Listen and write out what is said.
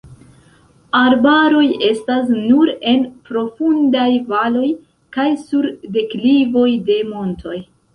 Arbaroj estas nur en profundaj valoj kaj sur deklivoj de montoj.